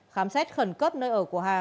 khám xét khẩn cấp nơi ở của hà